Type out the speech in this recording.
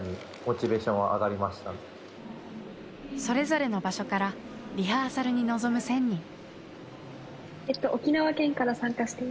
それぞれの場所からリハーサルに臨む１，０００人。